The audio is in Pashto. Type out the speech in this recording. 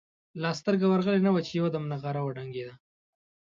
لا سترګه ورغلې نه وه چې یو دم نغاره وډنګېده.